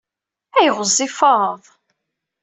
Ay ɣezzifeḍ!